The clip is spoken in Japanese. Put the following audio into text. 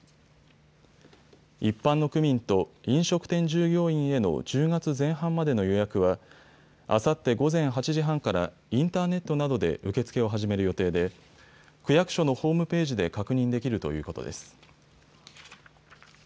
一般の区民と飲食店従業員への１０月前半までの予約はあさって午前８時半からインターネットなどで受け付けを始める予定で区役所のホームページで確認できるということです。